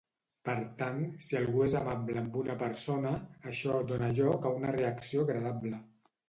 Per tant, si algú és amable amb una persona, això dóna lloc a una reacció agradable